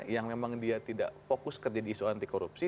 yang memang dia tidak fokus kerja di isu anti korupsi